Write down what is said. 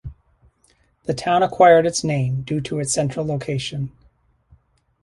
The town acquired its name due to its central location.